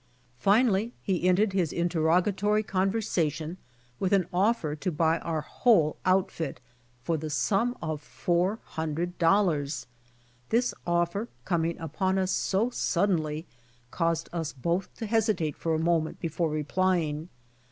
Finally he ended his interrogatory conversation with an offer to buy our whole outfit for the sum of four hun dred dollars. This offer coming upon us so suddenly caused us both to hesitate for a moment before replying.